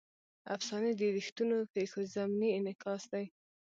افسانې د ریښتونو پېښو ضمني انعکاس دی.